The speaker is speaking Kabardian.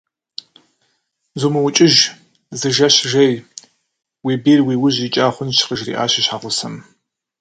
Зумыукӏыж, зы жэщ жей, уи бийр уи ужь икӏа хъунщ, - къыжриӏащ и щхьэгъусэм.